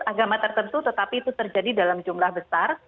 agama tertentu tetapi itu terjadi dalam jumlah besar